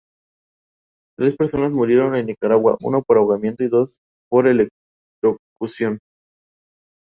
El Parlamento de Andalucía está formado por ciento nueve parlamentarios.